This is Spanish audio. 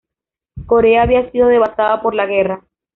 Corea había sido devastada por la guerra.